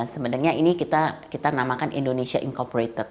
sebenarnya ini kita namakan indonesia incorporated